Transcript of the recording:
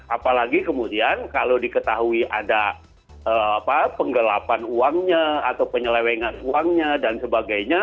apalagi kemudian kalau diketahui ada penggelapan uangnya atau penyelewengan uangnya dan sebagainya